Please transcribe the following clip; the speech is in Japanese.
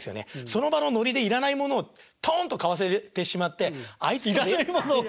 その場のノリで要らないものをとんと買わせてしまってあいつ要らないものを。